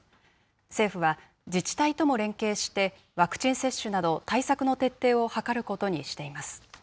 政府は、自治体とも連携してワクチン接種など、対策の徹底を図ることにしています。